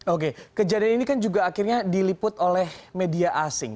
oke kejadian ini kan juga akhirnya diliput oleh media asing